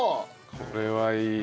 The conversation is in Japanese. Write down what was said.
これはいいね。